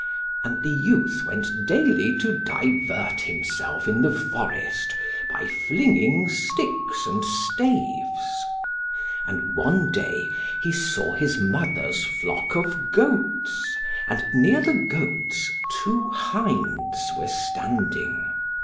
And the youth went daily to divert himself in the forest, by flinging sticks and staves. And one day he saw his mother's flock of goats, and near the goats two hinds were standing.